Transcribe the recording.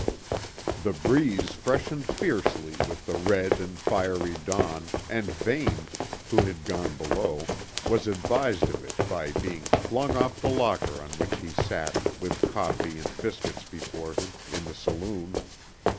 The breeze freshened fiercely with the red and fiery dawn, and Vane, who had gone below, was advised of it by being flung off the locker on which he sat with coffee and biscuits before him, in the saloon.